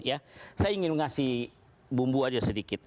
saya ingin memberikan bumbu saja sedikit